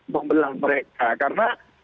membelah mereka karena